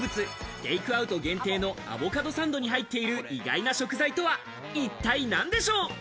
春菜の大好物、テークアウト限定のアボカドサンドに入っている意外な食材とは一体何でしょう？